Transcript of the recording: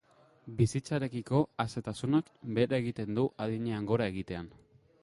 Bizitzarekiko asetasunak behera egiten du adinean gora egitean.